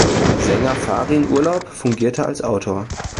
Sänger Farin Urlaub fungierte als Autor.